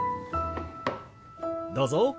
どうぞ。